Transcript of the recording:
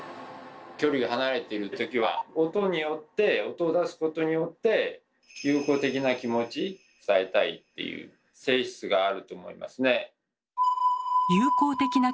距離が離れている時は音によって音を出すことによって友好的な気持ち伝えたいっていう性質があると思いますね。